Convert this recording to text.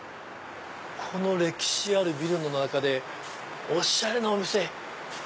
この歴史あるビルの中でおしゃれなお店！